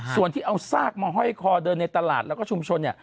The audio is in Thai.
ส่วนที่เอาซากมาห้อยคอเดินในตลาดแล้วก็ชุมชนเนี่ย